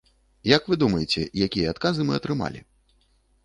Як вы думаеце, якія адказы мы атрымалі?